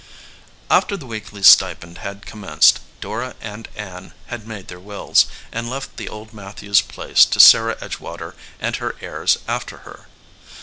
After the weekly stipend had commenced Dora and Ann had made their wills, and left the old Matthews place to Sarah Edgewater and her heirs after her.